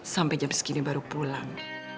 sampai jam segini baru pulang